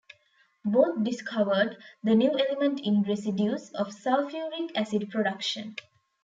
Both discovered the new element in residues of sulfuric acid production.